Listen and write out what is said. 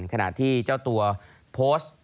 ขณะที่เจ้าตัวโพสต์